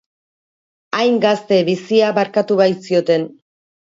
Hain gazte, bizia barkatu baitzioten.